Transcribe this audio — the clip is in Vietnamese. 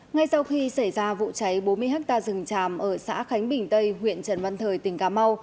ngay sau khi xảy ra vụ cháy bốn mươi ha rừng tràm ở xã khánh bình tây huyện trần văn thời tỉnh cà mau